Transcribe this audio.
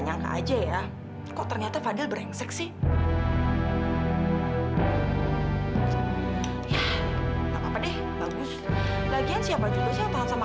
jangan tersikap kayak gini sama